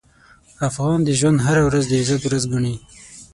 افغان د ژوند هره ورځ د عزت ورځ ګڼي.